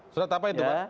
surat apa itu pak